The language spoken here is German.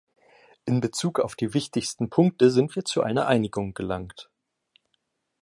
In Bezug auf die wichtigsten Punkte sind wir zu einer Einigung gelangt.